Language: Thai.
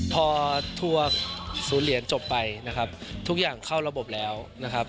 พอทัวร์ศูนย์เหรียญจบไปนะครับทุกอย่างเข้าระบบแล้วนะครับ